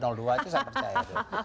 itu saya percaya